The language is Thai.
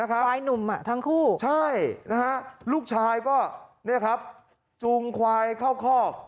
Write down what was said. ควายหนุ่มทั้งคู่ใช่ลูกชายก็จูงควายเข้าคอก